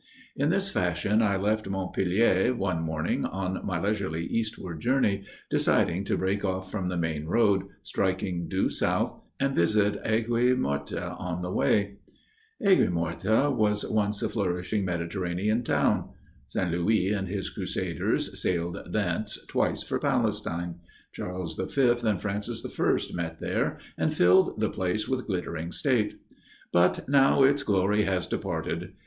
In this fashion I left Montpellier one morning on my leisurely eastward journey, deciding to break off from the main road, striking due south, and visit Aigues Mortes on the way. Aigues Mortes was once a flourishing Mediterranean town. St. Louis and his Crusaders sailed thence twice for Palestine; Charles V. and Francis I. met there and filled the place with glittering state. But now its glory has departed.